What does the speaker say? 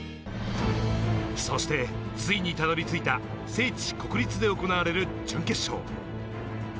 そしてついにたどり着いた、聖地・国立で行われる準決勝。